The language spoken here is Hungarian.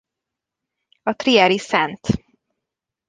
A trieri Szt.